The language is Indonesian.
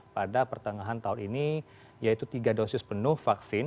pada pertengahan tahun ini yaitu tiga dosis penuh vaksin